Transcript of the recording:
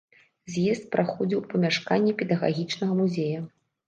З'езд праходзіў у памяшканні педагагічнага музея.